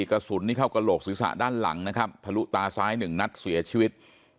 กระสุนนี่เข้ากระโหลกศีรษะด้านหลังนะครับทะลุตาซ้ายหนึ่งนัดเสียชีวิต